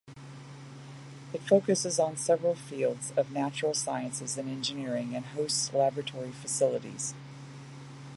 It focuses on several fields of natural sciences and engineering and hosts laboratory facilities.